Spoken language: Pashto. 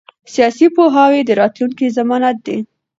سیاسي پوهاوی د راتلونکي ضمانت دی